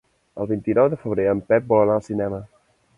El vint-i-nou de febrer en Pep vol anar al cinema.